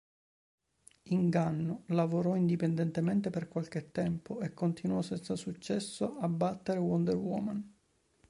Inganno lavorò indipendentemente per qualche tempo, e continuò senza successo a battere Wonder Woman.